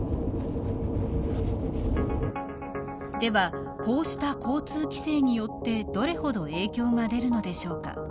では、こうした交通規制によってどれほど影響が出るのでしょうか。